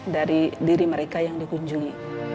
dari diri mereka yang dikunjungi